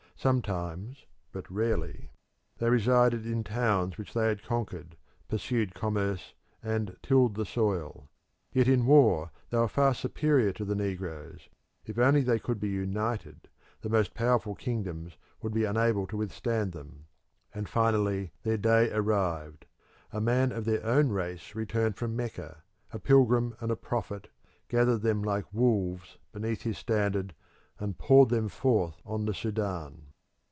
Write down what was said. Sometimes, but rarely, they resided in towns which they had conquered, pursued commerce, and tilled the soil. Yet in war they were far superior to the negroes: if only they could be united the most powerful kingdoms would be unable to withstand them. And finally their day arrived. A man of their own race returned from Mecca, a pilgrim and a prophet, gathered them like wolves beneath his standard, and poured them forth on the Sudan.